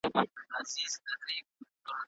آیا ته په خپله شتمنۍ کي د غریبو حق ورکوې؟